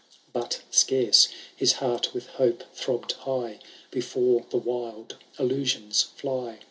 But scarce his heart with hope throbbed high. Before the wild illusions fly.